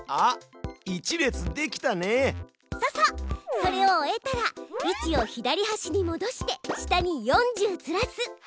それを終えたら位置を左はしにもどして下に４０ずらす。